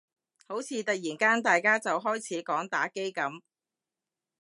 好似突然間大家就開始講打機噉